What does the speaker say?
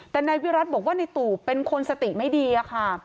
แต่นายวิรัติบอกว่าในตูบเป็นคนสติไม่ดีอะค่ะ